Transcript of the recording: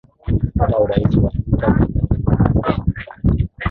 hata urais wa inter millam masimo murati